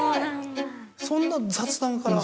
そんな雑談から？